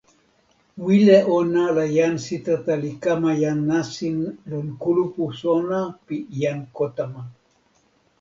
wile ona la jan Sitata li kama jan nasin lon kulupu sona pi jan Kotama.